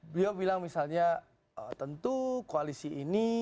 beliau bilang misalnya tentu koalisi ini